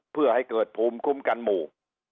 เพื่อให้เกิดภูมิคุ้มกันหมู่